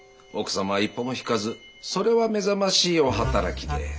奥様は一歩も引かずそれは目覚ましいお働きで。